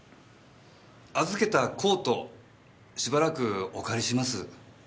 預けたコートしばらくお借りします。